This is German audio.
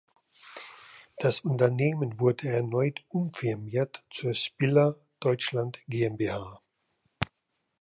Das Unternehmen wurde erneut umfirmiert zur "Spiller Deutschland GmbH".